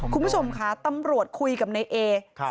คุณผู้ชมค่ะตำรวจคุยกับนายเอ